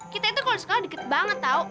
kita itu kalau di sekolah deket banget tau